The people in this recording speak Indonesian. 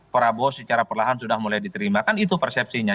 prabowo secara perlahan sudah mulai diterima kan itu persepsinya